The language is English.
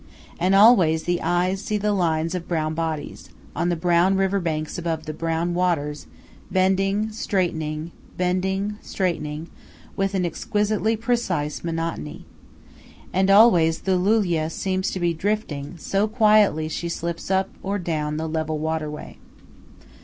And always the eyes see the lines of brown bodies, on the brown river banks above the brown waters, bending, straightening, bending, straightening, with an exquisitely precise monotony. And always the Loulia seems to be drifting, so quietly she slips up, or down, the level waterway.